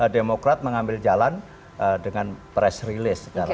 demokrat mengambil jalan dengan press release